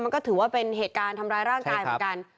มันก็ถือว่าเป็นเหตุการณ์ทำร้ายร่างกายเหมือนกัน